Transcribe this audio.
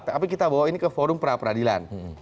tapi kita bawa ini ke forum pra peradilan